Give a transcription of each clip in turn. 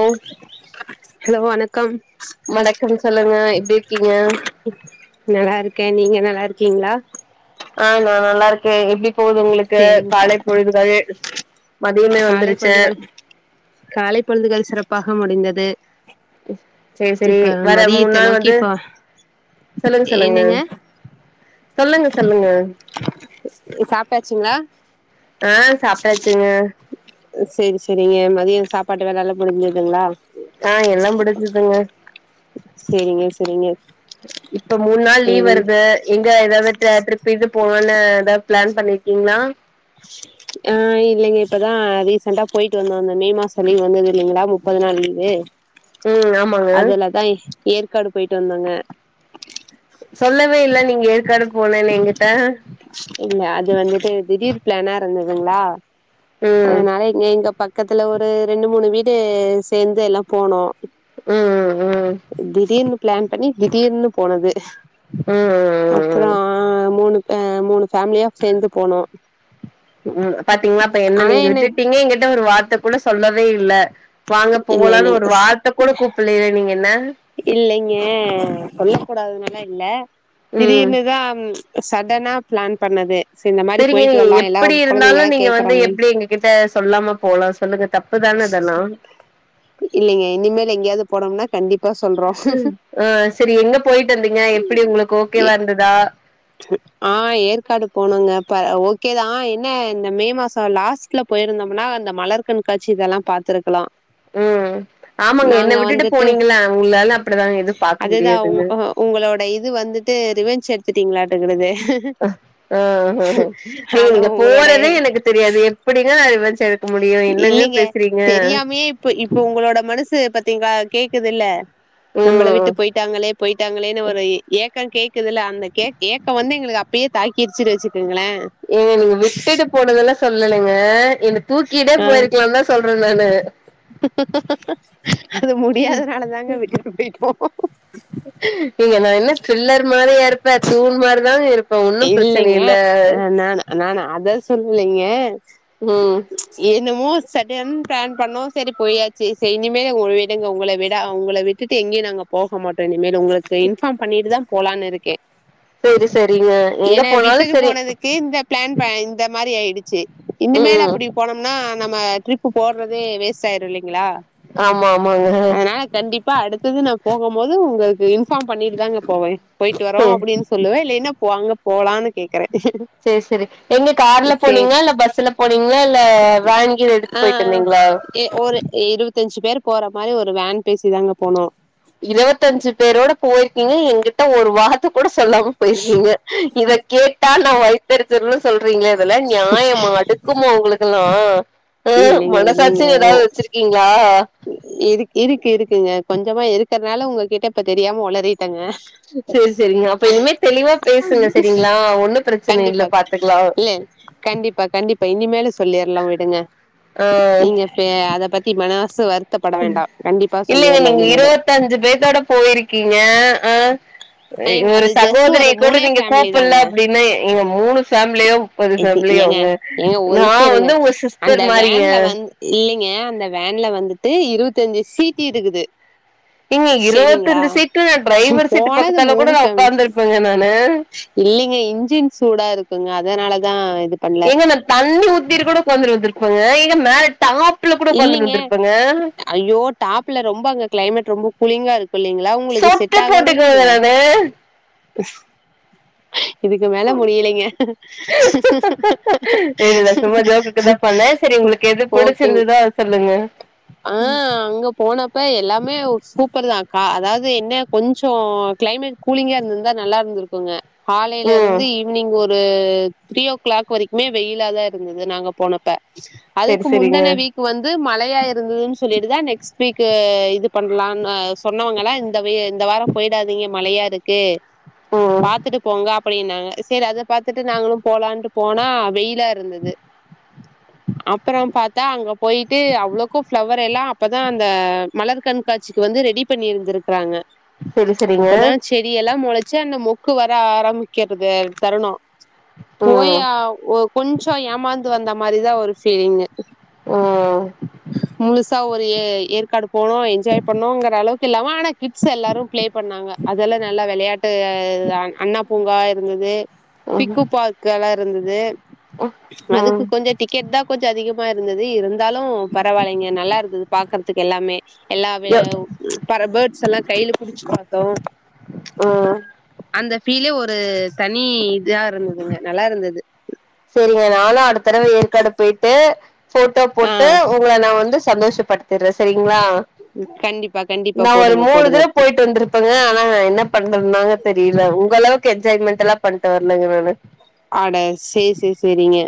ஓ hello வணக் கம் வணக்கம் சொல்லுங்க எப்டி இருக்கீங்க நல்லா இருக்கே நீங்க நல்லா இருக்கீங்களா ஆ நா நல்லா இருக்கே எப்டி போகுது உங்களுக்கு சேரிங் காலை பொழுதுகள் மதியமே காலை வந்துருச்சு பொழுதுகள் காலை பொழுதுகள் சிறப்பாக முடிந்தது சேரி சேரி இப்ப வர மூணு மதியத்த நாள் நோக்கி வந்து ஃபா சொல்லுங்க சொல்லுங்க என்னங்க சொல்லுங்க சொல்லுங்க சாப்ட்டாச்சுங்களா ஆ சாப்ட்டாச்சுங்க செரி செரிங்க மதிய சாப்பாட்டு வேலல்லா முடிஞ்சதுங்ளா ஆ எல்லா முடிஞ்சதுங்க சேரிங்க சேரிங்க இப்ப மூணு நாள் லீவ் சேரிங் வருது எங்க எதாவது ட டிரிப் பு இது போவுன்னு எதாவது பிளான் பண்ணிருக்கீங்களா [inaudible] ஆ இல்லைங்க இப்பதா ரீசெண்டா போயிட்டு வந்தோ அந்த மே மாச லீவ் வந்தது இல்லைங்களா முப்பது நாள் லீவு ம் ஆமாங்க அதுலதா ஏற்காடு போயிட்டு வந்தோங்க சொல்லவே இல்ல நீங்க ஏற்காடு போனேன்னு எங்கிட்ட இல்ல அது வந்துட்டு திடீர் பிளானா இருந்ததுங்களா ம் அதனால இப் எங்க பக்கத்துல ஒரு ரெண்டு மூணு வீடு சேந்து எல்லா போனோ ம் ம் ம் திடீர்னு பிளான் பண்ணி திடீர்னு போனது ம் ம் அப்றோ ம் அ மூணு மூணு பேஃமிலியா சேந்து போனோ ம் பாத்தீங்களா அப்ப என்ன நீங்க விட்டுட்டீங்க எங்கிட்ட ஒரு வார்த்த கூட சொல்லவே இல்ல வாங்க இல்ல போவலானு இல்லைங்க ஒரு வார்த்த கூட கூப்பிலயே நீங்க என்ன இல்லைங்க சொல்ல கூடாதுனலா இல்ல ம் திடீர்னுதா சட்டனா பிளான் பண்ணது இந்த மாரி சரிங்க போயிட்டு நீங்க வரலா எல்லா கொழந்தைங்களா கேக்குறாங்க என்கிட்ட சொல்லாம போலா சொல்லுங்க தப்புதானே இதெல்லா இல்லைங்க இனிமேல் எங்கேயாவது போனோம்னா கண்டிப்பா சொல்றோ ஆ சரி எங்க போயிட்டு வந்தீங்க எப்டி உங்களுக்கு ஓகேவா இருந்ததா ஆ ஏற்காடு போனோங்க அப்ப ஓகேதா என்ன இந்த மே மாச லாஸ்ட் ல போயிருந்தோம்னா அந்த மலர் கண்காட்சி இதெல்லா பாத்துருக்கலா ம் ஆமாங்க என்ன நாங்க விட்டுட்டு வந்துட்டு போனீங்கள உங்களால அப்டிதா எதும் பாக்க அதுதா முடியாதுன்னு உங் உங்களோட இது வந்துட்டு ரிவென்ச் எடுத்துட்டிங்களாட்டுக்கிறது ஏ அத நீங்க உங்களோட போறதே எனக்கு தெரியாது எப்டிங்க நா ரிவென்ஞ்சு எடுக் க முடியு என்னங்க பேசுறீங்க இப்போ உங்களோட மனசு பாத்தீங்களா கேக்குது இல்ல நம்மள விட்டு ம் போயிட் ட்டாங்களே போயிட்டாங்களேனு ஒரு ஏக்க கேக்குதுல அந்த தேக் ஏக்கம் வந்து எங்களுக்கு அப்பயே தாக்கி கிரிச்சுன் வச்சுக்குங்களே ஏ நீங்க விட்டுட்டு போனதெல்லா சொல்லலங்க என்ன தூக்கிட்டே ஆ போயிருக்கலா தா சொ ல்றே நானு அது முடியாதனால தாங்க விட்டுட்டு போயிட்டோ ஏங்க நா என்ன பில்லர் மாதிரியா இருப்ப தூண் மாரி தாங்க இருப்ப ஒன்னு பிரச்சன இல்ல நானா அத சொல்லைங்க ம் என்னமோ சடன் பிளான் பண்ணோ செரி போயாச்சி செரி இனிமே உ விடுங்க உங்கள விட உங்கள விட்டுட்டு எங்கியு நாங்க போக மாட்டோ இனிமேலு உங்களுக் இன்ஃபாம் பண்ணிட்டுதா போலான் இருக்கே செரி செரிங்க எங்க என போனாலு விட்டுட்டு செரி போனதுக்கு இந்த பிளான் ப இந்த மாரி ஆய்டுச்சி இனிமேலு ம் அப்புடி போனம்னா நம்ம ட்ரிப் போட்றதே வேஸ்ட் ஆயிரு இல்லைங்களா ஆமா ஆமாங்க ஆ கண்டிப்பா அடுத்தது நா போகு போது உங்களுக்கு இன்பாம் பண்ணிட்டு தாங்க போவே போய்ட்டு வரோ செரி அப்புடின் சொல்லுவ இல்லேனா போங்க போலான்னு கேக்கறே சேர் சேரி எங்க கார்ல போனீங்ளா இல்ல பஸ்ல போனீங்ளா இல்ல வேனு கீனு எடுத்து போய்ட்டு வந்தீங்ளா ஏ ஒரு இருவத்தஞ்சி பேரு போற மாரி ஒரு வேன் பேசிதாங்க போனோ இருவத்தஞ்சி பேரோட போய்ருக்கீங்க எங்கிட்ட ஒரு வார் து கூட சொல்லாம போய்ருக்கீங்க இத கேட்டா நா வைத்தெறிச்சலோட சொல்றீங்ளே இதெல்லா நியாயமா அடுக் குமா உங்களுக்கெல்லா ஆ இல்லைங்க இல்லைங்க மனசாச்சின் ஏதாவது வச்சிருக்கீங்ளா இருக் இருக் இருக்குங்க கொஞ்சமா இருக்கற்னால உங்ககிட்ட இப்ப தெரியாம ஒளறிட்டங்க சேரி சேரிங்க அப்ப இனிமே தெளிவா பேசுங்க சேரிங்ளா ஒண்ணு பிரச்சன கண்டிப்பா இல்ல பாத்துக்லா இல்ல கண்டிப்பா கண்டிப்பா இனிமேலு சொல்லிர்லா விடுங்க ஆ நீங்க எ அத பத்தி மனசு வருத்தப்பட வேண்டா கண்டிப்பா சொல்லிர்லா இனிமேலு தஞ்சி பேத்தோட போய்ருக்கீங்க ஆ ஏங்க ஒரு அது ஜஸ்ட் ஒரு சகோதரிய கூட மூணே நீங்க ஃபேமிலி கூப்புல்ல தாங்க அப்டின்னு ஏங்க மூணு ஃபேம்லியு முப்பது இது ஏங்க ஃபேமிலியோங்க ஏங்க ஒரு நா நிமிஷோ வந்து உங்க சிஸ்டர் மாரிங்க இல்லிங்க அந்த வேன்ல வந்துட்டு இருவத்தஞ்சி ஏங்க செரிங்களா இருவத்தஞ்சி சீட்டு டிரைவர் சீட்டு போனது பக்கத்தால த்ல கூட நா ஒக்காந்துருப்பேங்க நானு இல்லிங்க இன்ஜின் சூடா இருக்குங்க அதனால தா இது பண்ணல ஏங்க நா தண்ணி ஊத்திட்டு கூட உகாந்துட்டு வந்துருப்பங்க ஏங்க மேல டாப் புல கூட உக்காந்துட் இல்லைங்க வந்துருப்பங்க ஐயோ டாப்ல ரொம்ப அங்க கிளைமேட் ரொம்ப கூலிங்கா இருக் இல்லைங்ளா உங்களுக்கு சொட்ட செட் ஆகாதில்லிங்க போட்டுக்குவேங்க நானு இதுக்கு மேல முடியலைங்க பண்ணே சேரி உங்களுக்கு எது புடிச்சிருந்ததோ அத சொல்லுங்க ஆ அங்க போனப் ப எல்லாமே சூப்பர் தா அக்கா அதாவது என்ன கொஞ்சோ கிளைமேட் கூலிங்கா இருந்திருந்தா நல்லா இருந்திருக்குங்க ம் காலைலருந்து ஈவ்னிங் ஒரு ஒரு த்ரீ ஓ கிளாக் வரைக்குமே வெயிலாதா இருந்தது நாங்க போனப்ப சரி அதுக்கு சரிங்க முந்தன வீக் வந்து மழையாரு ந்ததுன்னு சொல்லிட்டுதா நெக்ஸ்ட் வீக்கு இது பண்ணலான் ஆ சொன்னவங்களா இந்த வே இந்த வாரோ போய்டாதீங்க மழையாருக்கு ம் பாத்துட்டு போங்க அப்டின்னாங்க செரி அத பாத்துட்டு நாங்களு போலான்ட்டு போனா வெயி ல ருந்தது அப்புறோ பாத்தா அங்க போயிட்டு அவ்ளோ போ பிளவரு எல்லா அப்பதா அந்த மலர் கண்காட்சிக்கு வந்து ரெடி பண்ணிருந்திருக்கறாங்க சரி சரிங்க அப்பதா செடி எல்ல மொளச்சி அந்த மொக்கு வர ஆரமிக்கறது தருனோ போயி ம் அ ஒ கொஞ்ச ஏமாந்து வந்த மாரிதா ஒரு ஃபீலிங்கு ஓ முழுசா ஒரு ஏ ஏற்காடு போனோ என்ஜாய் பண்ணோங்குற அளவுக்கு இல்லாம ஆனா கிட்ஸ் எல்லாரு ப்ளே பண்ணாங்க அதல்லா நல்லா வெளையாட்டு அண்ணா பூங்கா இருந்துது ம் பிக்கு பார்க்கலா இருந்துது அதுக்கு ம் ம் கொஞ்ச டிக்கெட் தா கொஞ்ச அதிகமா இருந்துது இருந்தாலு பரவாலிங்க நல்லாருந்தது பாக்கறதுக்கு எல்லாமே எல்லாவேவு பர பேட்ஸ் எல்லா கைல புடுச்சு பாத்தோ ஓ அந்த ஃபீலே ஒரு தனி இஜா இருந்துதுங்க நல்லா இருந்துது சேரிங்க நாலா அடுத்தடவ ஏற்காடு பெய்ட்டு போட்டோ ஆ போட்டு உங்ள நா வந்து சந்தோஷப்படுத்திர்ர சரிங்லா கண்டிப்பா கண்டிப்பா நா ஒரு போடுங்க மூணு போடுங்க தர போயிட் வந்துருப் பங்க ஆனா என்ன பண்றன்னாங்க தெரியில உங்க அளவுக்கு என்ஜாய்மண்ட் எல்லா பன்ட்டு வர்லங்க நானு அட சேர் சேர் சேரிங்க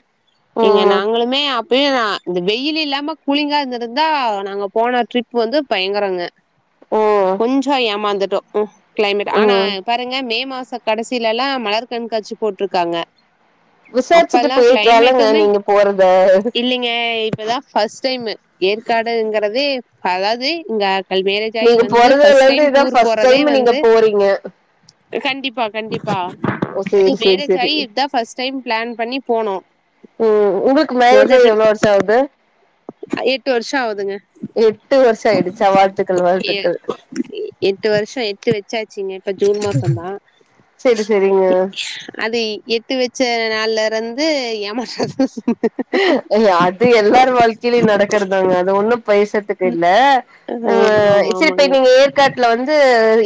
இங்க ம் நாங்களுமே அப் பே அ இந்த வெயில் இல்லாம கூளிங்கா இந்துருந்தா நாங்க போன ட்ரிப் வந்து பயங்கரங்க ம் கொஞ்சே ஏமாந்துட்டோ க்ளைமேட் ஆனா ம் பாருங்க மே மாச கடசிலலா மலர் கண்காட்சி போட்ருக்காங்க விசார்சிட்டு அப்பல்லாம் போய்க்குலலால்லங்க நீங்க போறத ஏ இப்பதா ஃபஸ்ட் டைமு ஏற்காடுங்கறதி அதாது இங்க கல் மேரேஜ் ஆயி நீங்க வந்து போறதுல ஃபஸ்ட் இருந்து டைம் இதா டூரு ஃபர்ஸ்ட் போறதே டைம் நீங்க வந்து போறீங்க கண்டிப்பா கண்டிப்பா ஓ து சேரி சேரி மேரேஜ் சேரி ஆயி இத்தா ஃபஸ்ட் டைம் ப்ளேன் பண்ணி போனோ ம் உங்களுக்கு மோத மேரேஜ் ஆயி ட்ரிப் எவ்ளோ வருஷோ ஆகுது அ எட்டு வர்ஷோ ஆவுதுங்க எட்டு வர்ஷ ஆயிடுச்சா வாழ்த்துக்கள் வாழ்த்துக்கள் எ எட்டு வருஷோ எத்து வெச்சாச்சுங்க இப்போ ஜூன் மாசந்தா சேரி சேரிங்க அது எத்து வெச் ச நள்ளருந்து எமனாதா அது எல்லார் வாழ்க்கைலியு லு நடக்கற்தாங்க அது ஒன்னு பைசட்டுக்கு இல்ல அதா ஆம் ஆமங்க கேட்ல வந்து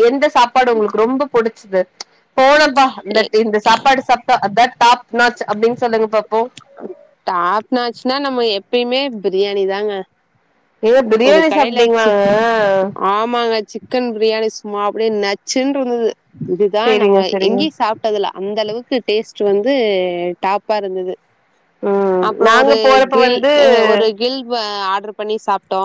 எந்த சாப்பாடு உங்ளுக்கு ரொம்ப புடுச்சிது போனப் பா ஏ அந்தட்டி இந்த சாப்பாடு சாப்ட்டா அதா டாப்நாச் அப்டின் சொல்லுங்க பாப்பு டாப்நாச்சினா நம்ம எப்பியுமே பிரியாணி தாங்க ஏங்க ஒரு பிரியாணி கடைல சிப் சாப்ட்டீங்களாங்க ஆமாங்க சிப் கு ன் பிரியாணி சும்மா அப்புடே நச்சுன்ருந்துது இதுதா நம்ம சேரிங்க சேரிங்க எங்யு சாப் ட்டதுல அந்த அளவுக்கு டேஸ்ட்டு வந்து டாப்பா இருந்துது ம் அப்றோ நாங்க ஒரு போறப்ப கிரில் வந்து எ ஒரு வில்ப ஆட்ரு பண்ணி சாப்ட்டோ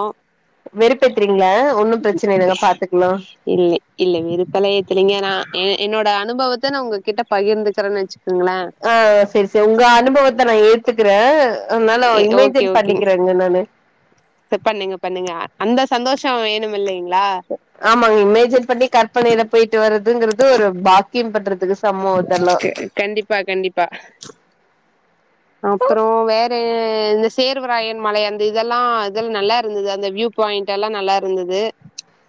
வெறுப்பேத்றீங்ள ஒன்னு பிரச்சன இல்லங்க பாத்துக்லா இல்லே இல்ல வெறுப்பல்ல எத்துலிங்க நா எ என்னோட அனுபவத்த நா உங்ககிட்ட பகிர்ந்துக்குறன் வச் குங்குல அ அ சேரி சே உங்க அனுபவத்த நா ஏத்துகுற அத்னால எ இமேஜென்ஸ் பண்ணிக்கிறேங்க நானு ச பண்ணுங்க பண்ணுங்க அந்த சந்தோஷ வேணும் இல்லைங்ளா ஆமாங்க இமேஜஸ் பண்ணி கர் பனையில போயிட்டு வரதுங்கிறது ஒரு பாக்கியம் பண்றதுக்கு சமோ அதெல்லா கண்டிப்பா கண்டிப்பா அப்றோ வேற இந்த சேர்வராயன் மலை அந்த இதெல்லா இதெ நல்லா இருந்தது அந்த வியூப் பாயிண்ட் எல்லா நல்லா இருந்தது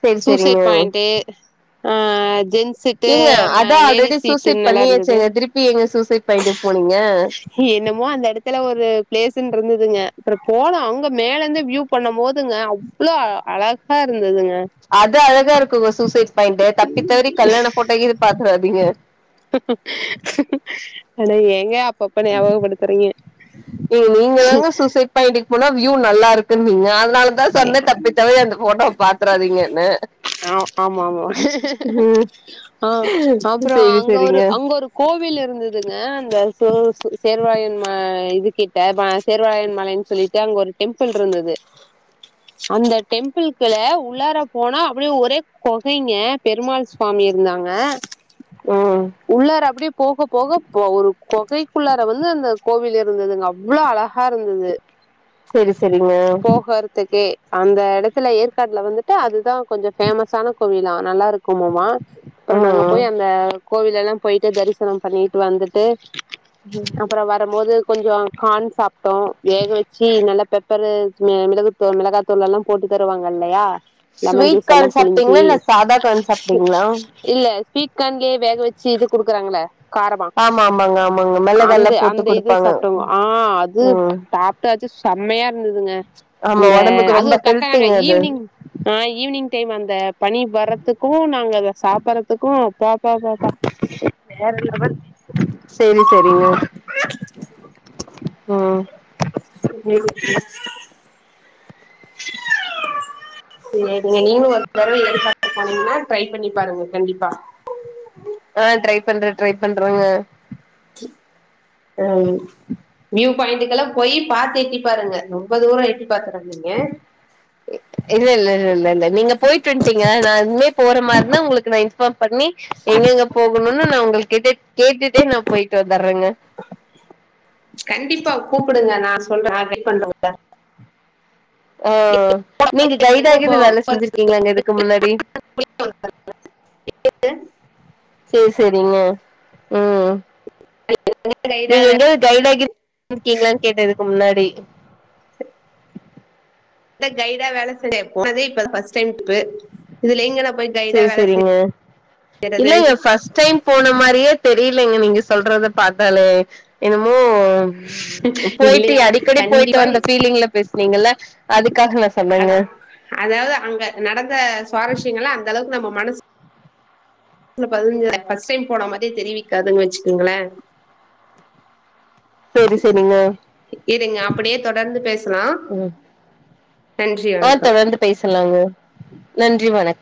சேரி சேரிங்க சூசைட் பாயிண்டு ஹா ஜென்ஸ் சீட்டு அ மா லேடிஸ் சீட் பண்ணியாச்சுங்க திருப்பி ஏங்க சூசைட் பாயிண்ட் போனீங்க என்னமோ அந்த எடத்துல ஒரு பிளேஸ்சுன்னு இருந்ததுங்க அப்றம் போனோ அங்க மேல இருந்து வியூ பண்ணம் போதுங்க அவ்ளோ அழகா இருந்ததுங்க அது அழகா இருக்குங்க சூசைட் பாயிண்ட் தப்பி தவறி கல்யாண போட்டோ கீது பாத்துறாதீங்க அட ஏங்க அப் பப்பா ஞாபகப்படுத்துறீங்க பாயிண்டுக்கு போனா வியூ நல்லா இருக்குனீங்க அதுனால தா சொன்ன தப்பி தவரி அந்த போட்டோவ பாத்துறாதீங்கன்னு ஆ ஆமாமா ம் ஆ அப்றோ சேரி அங்க ஒரு சேரிங்க அங்க ஒரு கோவில் இருந்ததுங்க அந்த சோ சேர்வாராயன் ம இது கிட்ட ம சேர்வாராயன் மலைன் சொல்லி அங்க ஒரு டெம்புள்ருந்துது அந்த டெம்பிள்கள்ள உள்ளார போனா அப்டியே ஒரே கொகைங்க பெருமாள் சாமி இருந்தாங்க ம் உள்ளார அப்டியே போக போக ஒரு கொகை குள்ளார வந்து அந்த கோவில் இருந்ததுங்க அவ்ளோ அழ காருந்தது செரி செரிங்க துக்கே அந்த எடத்துல ஏற்காடுல வந்துட்டு அதுதா கொஞ்ச பேமஸான கோவிலா நல்லா இருக்குமாமா அப்றோ நாங்க ம் ம் போய் அந்த கோவில் எல்லா போயிட்டு தரிசனம் பண்ணிட்டு வந்துட்டு து அப்றோ வரம்போது கொஞ்சோ கான் சாப்டோ வேக வச்சு நல்லா பெப்பரு மிளகுத் மிளகாதூள் எல்லா போட்டு தருவாங்க இல்லயா லெமன் ஸ்வீட் ஜூஸ் எல்லா கார்ன் சாப்ட்டீங்களா புழிஞ்சி இல்ல சாதா கார்ன் சாப்ட்டீங்களா இல்ல ஸ்வீட் கான்லே வேக வச்சு இது குடுக்குறாங்களே ஆம்மம்மாங்க ஆமாங் ஆம அந்த அந்த இது சாப்டோங்க ஆ அது ம் டாப்டாச்சு செம்மயா இருந்ததுங்க ஆமா அந்த ஒடம்புக்கு அது ரொம்ப கரெட்டா தாங்க ஹெல்த்திங்க அது ஈவ்னிங் ஆ ஈவ்னிங் டைம் அந்த பனி வர்றதுக்கு நாங்க அத சாப்பறதுக்கு அப்பா அப்பாப்பாபா வேற லெவல் செரி செரிங்க ம் [inaudible] செரிங்க நீங்க ஒரு தடவ ஏற்காடு போனீங்கன்னா ட்ரை பண்ணி பாருங்க கண்டிப்பா ஆ ட்ரை பண்ற ட்ரை பண்றோங்க ம் நியூ பாயிண்டுக்கல்லா போய் பாத்து எட்டி பாருங்க ரொம்ப தூரம் எட்டி பாத்துராதீங்க இல்ல இல்ல இல்ல இல்ல இல்ல நீங்க போய்டு வன்டீங்க நா இனிமே போற மாருந்தா உங்களுக்கு நா இன்ஃபாம் பண்ணி எங்க கேங்க போகணும்னு நா உங்கள் கிட்ட கேட்டுட்டே நா போயிட்டு வந்தரேங்க கண்டிப்பா கூப்புடுங்க நா சொல்ற நா கைட் பண்ற உங்கள ஆ நீங்க கைய்டா எனக்கு இப்போ கீது வேல செஞ்சுருக்கீங்கிளாங்க இதுக்கு முன்னாடி சேரி சேரிங்க ம் கைடா நீங்க எங்காது கைய்டா கீ இருக்கீங்கிளானு கேட்டே இதுக்கு முன்னாடி டா கைய்டா வேலை செய்றே போனதே இப்ப பஸ் டைம் துபு இதுல எங்க நா போய் கைடா சேரி வேல சேரிங்க செய்யறது இல்லங்க ஃபஸ்ட்டு டைம் போன மாரியே தெரியலங்க நீங்க சொல்றத பாத்தாலே என்னமோ ம் போயிட்டு இல்லைங்க அடிக்கடி போயிட்டு கண்டிப்பா வந்த பீலிங்ல பேசுனீங்கல்ல அதுக்காக நா சொன்னேங்க அதா அதாவது அங்க நடந்த சுவாரஸ்யங்கள்லா அந்த அளவுக்கு நம்ம மனசு ல பதிஞ்த ஃபஸ்ட்டு டைம் போன மாரி தெரிவிக்காதுன்னு வச்சுகோங்களே சேரி சேரி இருங்க அப்டியே தொடர்ந்து பேசலா நன்றி ஆ வணக் தொடர்ந்து பேசலாங்க நன்றி வணக்